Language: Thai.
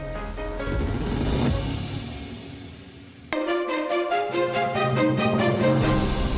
โปรดติดตามตอนต่อไป